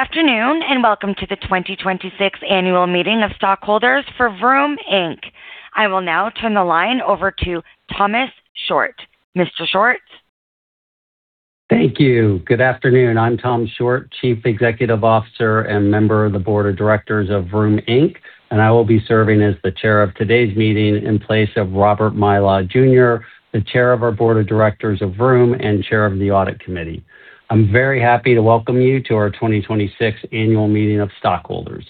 Good afternoon, welcome to the 2026 annual meeting of stockholders for Vroom, Inc. I will now turn the line over to Thomas Shortt. Mr. Shortt? Thank you. Good afternoon. I'm Tom Shortt, Chief Executive Officer and member of the Board of Directors of Vroom, Inc. I will be serving as the Chair of today's meeting in place of Robert Mylod Jr., the Chair of our Board of Directors of Vroom and Chair of the Audit Committee. I'm very happy to welcome you to our 2026 annual meeting of stockholders.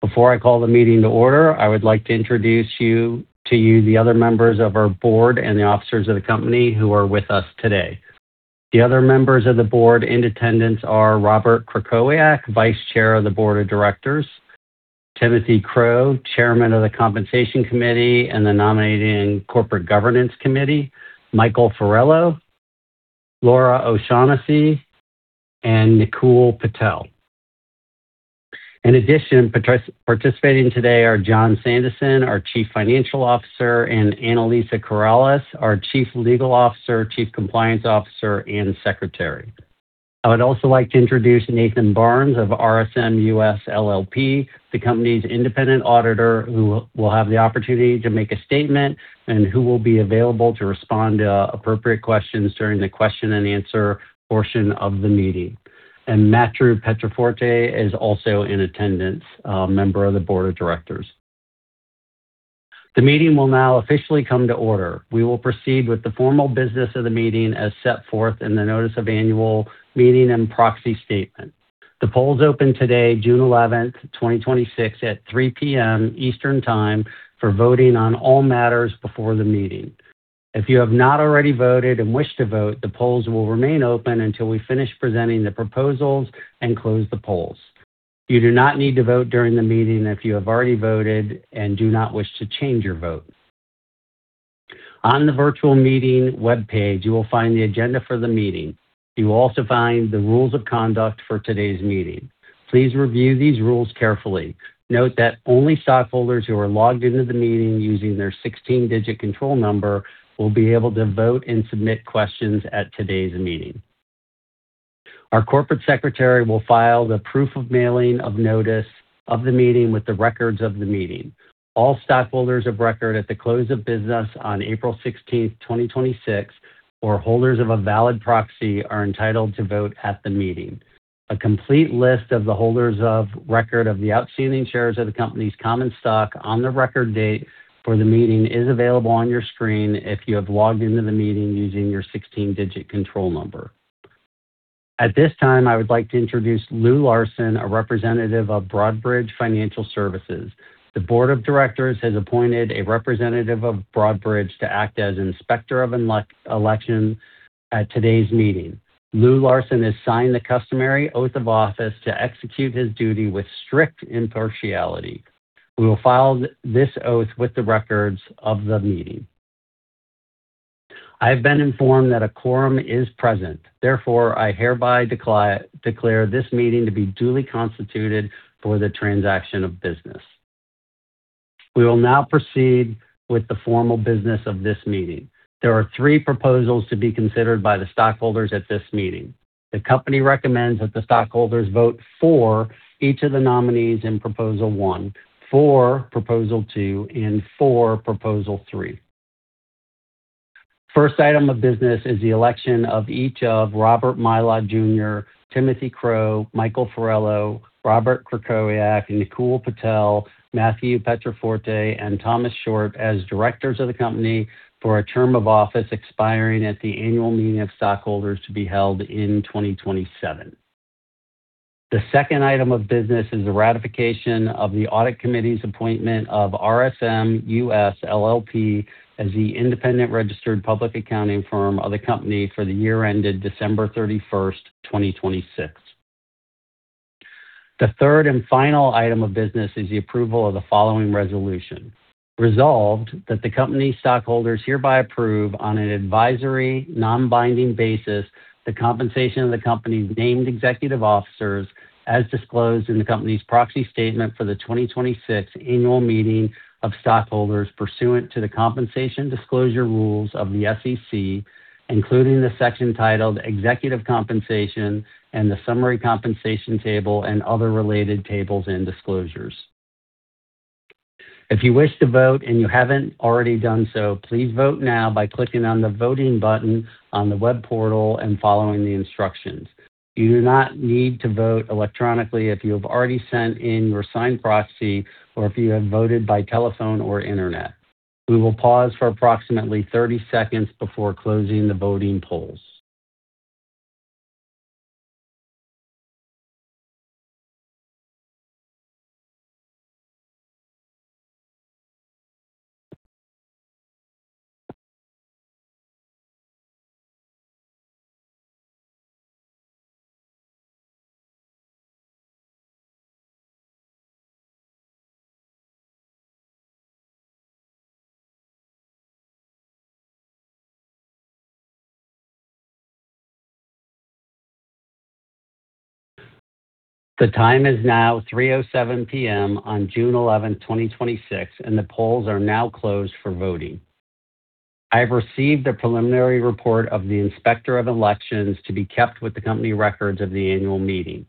Before I call the meeting to order, I would like to introduce to you the other members of our Board and the officers of the company who are with us today. The other members of the Board in attendance are Robert Krakowiak, Vice Chair of the Board of Directors, Timothy Crow, Chairman of the Compensation Committee and the Nominating and Corporate Governance Committee, Michael Farello, Laura O'Shaughnessy, and Nikul Patel. In addition, participating today are Jon Sandison, our Chief Financial Officer, and Anna-Lisa Corrales, our Chief Legal Officer, Chief Compliance Officer, and Secretary. I would also like to introduce Nathan Barnes of RSM US LLP, the company's independent auditor, who will have the opportunity to make a statement and who will be available to respond to appropriate questions during the question and answer portion of the meeting. Matthew Pietroforte is also in attendance, a member of the Board of Directors. The meeting will now officially come to order. We will proceed with the formal business of the meeting as set forth in the notice of annual meeting and proxy statement. The polls opened today, June 11th, 2026, at 3:00 P.M. Eastern Time for voting on all matters before the meeting. If you have not already voted and wish to vote, the polls will remain open until we finish presenting the proposals and close the polls. You do not need to vote during the meeting if you have already voted and do not wish to change your vote. On the virtual meeting webpage, you will find the agenda for the meeting. You will also find the rules of conduct for today's meeting. Please review these rules carefully. Note that only stockholders who are logged into the meeting using their 16-digit control number will be able to vote and submit questions at today's meeting. Our corporate secretary will file the proof of mailing of notice of the meeting with the records of the meeting. All stockholders of record at the close of business on April 16th, 2026, or holders of a valid proxy are entitled to vote at the meeting. A complete list of the holders of record of the outstanding shares of the company's common stock on the record date for the meeting is available on your screen if you have logged into the meeting using your 16-digit control number. At this time, I would like to introduce Lou Larson, a representative of Broadridge Financial Solutions. The Board of Directors has appointed a representative of Broadridge Financial Solutions to act as Inspector of Election at today's meeting. Lou Larson has signed the customary oath of office to execute his duty with strict impartiality. We will file this oath with the records of the meeting. I have been informed that a quorum is present. Therefore, I hereby declare this meeting to be duly constituted for the transaction of business. We will now proceed with the formal business of this meeting. There are three proposals to be considered by the stockholders at this meeting. The company recommends that the stockholders vote for each of the nominees in proposal one, for proposal two, and for proposal three. First item of business is the election of each of Robert Mylod Jr., Timothy Crow, Michael Farello, Robert Krakowiak, Nikul Patel, Matthew Pietroforte, and Thomas Shortt as directors of the company for a term of office expiring at the annual meeting of stockholders to be held in 2027. The second item of business is the ratification of the Audit Committee's appointment of RSM US LLP as the independent registered public accounting firm of the company for the year ended December 31st, 2026. The third and final item of business is the approval of the following resolution. Resolved that the company stockholders hereby approve on an advisory, non-binding basis the compensation of the company's named executive officers as disclosed in the company's proxy statement for the 2026 annual meeting of stockholders pursuant to the compensation disclosure rules of the SEC, including the section titled Executive Compensation and the Summary Compensation Table, and other related tables and disclosures. If you wish to vote and you haven't already done so, please vote now by clicking on the Voting button on the web portal and following the instructions. You do not need to vote electronically if you have already sent in your signed proxy or if you have voted by telephone or internet. We will pause for approximately 30 seconds before closing the voting polls. The time is now 3:07 P.M. on June 11th, 2026, and the polls are now closed for voting. I have received a preliminary report of the Inspector of Elections to be kept with the company records of the annual meeting.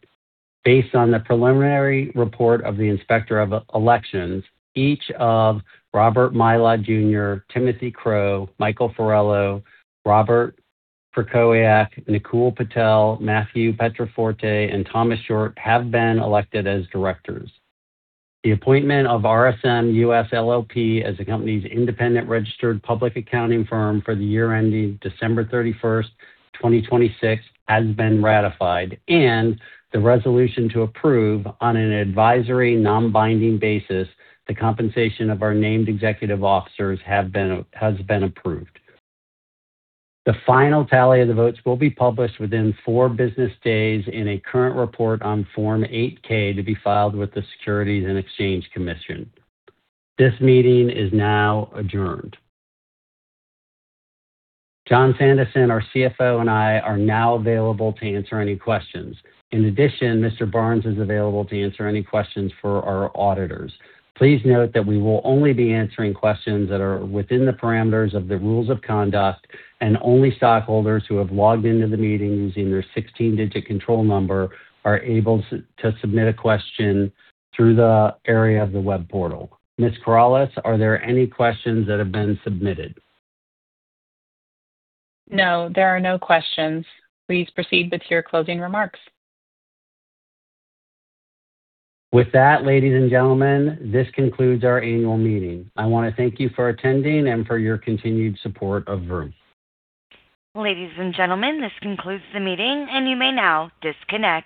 Based on the preliminary report of the Inspector of Elections, each of Robert Mylod Jr., Timothy Crow, Michael Farello, Robert Krakowiak, Nikul Patel, Matthew Pietroforte, and Thomas Shortt have been elected as directors. The appointment of RSM US LLP as the company's independent registered public accounting firm for the year ending December 31st, 2026, has been ratified and the resolution to approve on an advisory, non-binding basis the compensation of our named executive officers has been approved. The final tally of the votes will be published within four business days in a current report on Form 8-K to be filed with the Securities and Exchange Commission. This meeting is now adjourned. Jon Sandison, our CFO, and I are now available to answer any questions. In addition, Mr. Barnes is available to answer any questions for our auditors. Please note that we will only be answering questions that are within the parameters of the rules of conduct, and only stockholders who have logged into the meeting using their 16-digit control number are able to submit a question through the area of the web portal. Ms. Corrales, are there any questions that have been submitted? No, there are no questions. Please proceed with your closing remarks. With that, ladies and gentlemen, this concludes our annual meeting. I want to thank you for attending and for your continued support of Vroom. Ladies and gentlemen, this concludes the meeting, and you may now disconnect.